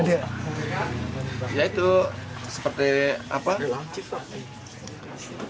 ya itu seperti apa